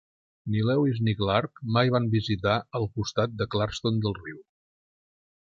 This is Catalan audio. Ni Lewis ni Clark mai van visitar el costat de Clarkston del riu.